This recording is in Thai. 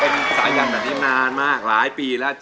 เป็นสายันแบบนี้นานมากหลายปีแล้ว